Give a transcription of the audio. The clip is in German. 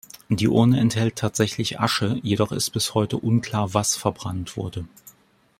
Die Urne enthält tatsächlich Asche, jedoch ist bis heute unklar, was verbrannt wurde.